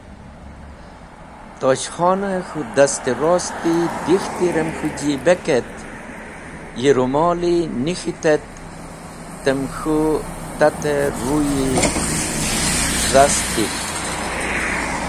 Tosh Khon k̃hũ dast-e rosti dek̃hti rem k̃hũ jibek et yi rumoli nik̃ht et tem k̃hũ tat-e ruyi dast dik̃ht.